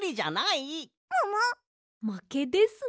まけですね。